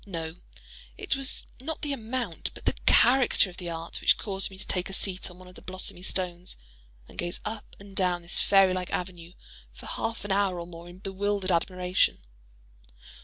No; it was not the amount but the character of the art which caused me to take a seat on one of the blossomy stones and gaze up and down this fairy like avenue for half an hour or more in bewildered admiration.